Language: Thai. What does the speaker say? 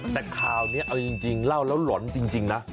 แต่คราวนี้เอาจริงเล่าแบบเถอะล้อนจริงนะ